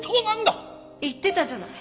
言ってたじゃない。